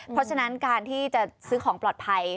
เพราะฉะนั้นการที่จะซื้อของปลอดภัย